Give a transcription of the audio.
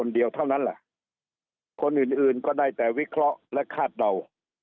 เดียวเท่านั้นแหละคนอื่นอื่นก็ได้แต่วิเคราะห์และคาดเดา